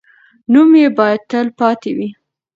نوم یې باید تل پاتې وي.